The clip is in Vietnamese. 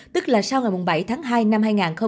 tức là sau ngày bảy tháng hai năm hai nghìn hai mươi